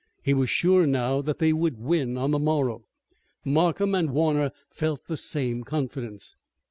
He was sure now that they would win on the morrow. Markham and Warner felt the same confidence.